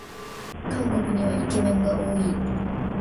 韓国にはイケメンが多い